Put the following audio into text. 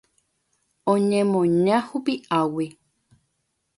Oñemoña hupi'águi.